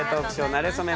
なれそめ」